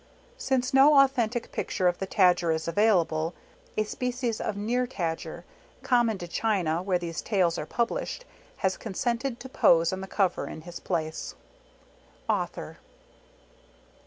Since no authentic picture of the Tajar is avail able a species of near Tager common to China where these tales are published has consented to pose on the cover in his place. AUTHOR.